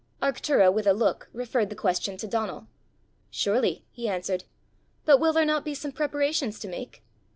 Arctura with a look referred the question to Donal. "Surely," he answered. "But will there not be some preparations to make?"